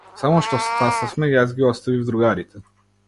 Само што стасавме јас ги оставив другарите.